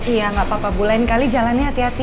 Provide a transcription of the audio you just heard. iya gak apa apa bu lain kali jalannya hati hati